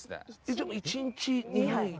じゃあ一日２杯。